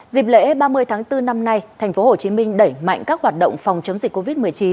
dịp lễ ba mươi tháng bốn năm nay tp hcm đẩy mạnh các hoạt động phòng chống dịch covid một mươi chín